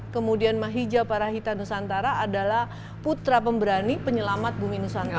kemudian mahija parahita nusantara adalah putra pemberani penyelamat bumi nusantara